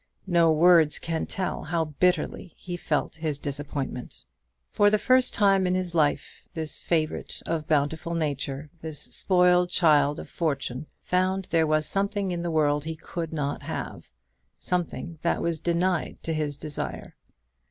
No words can tell how bitterly he felt his disappointment. For the first time in his life this favourite of bountiful nature, this spoiled child of fortune, found there was something in the world he could not have, something that was denied to his desire.